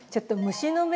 虫の目？